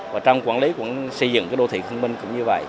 và trong quản lý xây dựng đô thị thông minh cũng như vậy